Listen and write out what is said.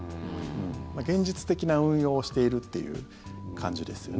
現実的な運用をしているという感じですよね。